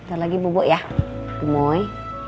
ntar lagi bubuk ya umoy